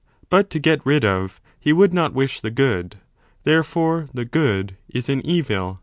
But to get rid of, he would not wish the good : therefore the good is an evil.